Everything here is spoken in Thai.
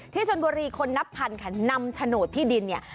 ชนบุรีคนนับพันค่ะนำโฉนดที่ดินเนี่ย